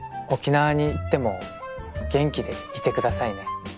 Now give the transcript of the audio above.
沖縄に行っても元気でいてくださいね。